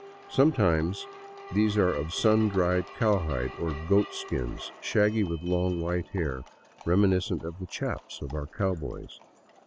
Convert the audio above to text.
Sometimes these are of sun dried cowhide, or goat skins shaggy with long white hair, reminiscent of the " chaps " of our cowboys.